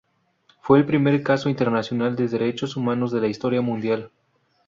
Fue el primer caso internacional de Derechos Humanos de la historia mundial.